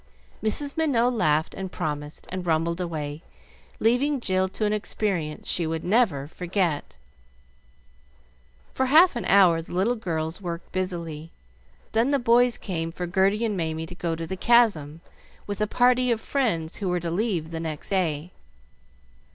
Mrs. Minot laughed, and promised, and rumbled away, leaving Jill to an experience which she never forgot. For half an hour the little girls worked busily, then the boys came for Gerty and Mamie to go to the Chasm with a party of friends who were to leave next day.